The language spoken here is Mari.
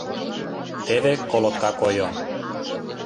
Теве колотка койо.